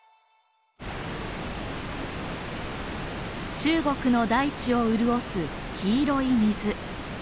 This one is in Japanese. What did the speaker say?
中国の大地を潤す黄色い水。